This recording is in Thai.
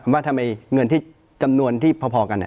ว่าทำไมเงินที่จำนวนที่พอกัน